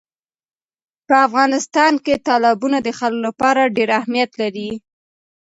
په افغانستان کې تالابونه د خلکو لپاره ډېر اهمیت لري.